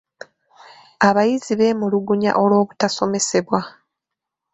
Abayizi beemulugunya olw'obutasomesebwa.